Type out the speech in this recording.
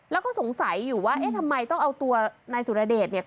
แล้วก็สงสัยอยู่ว่าทำไมต้องเอาตัวนายสุรเดช